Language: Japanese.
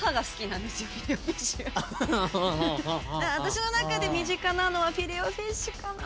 私の中で身近なのはフィレオフィッシュかな。